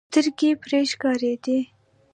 سترګې پرې ښکارېدې.